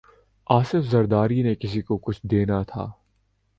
آصف زرداری نے کسی کو کچھ دینا تھا۔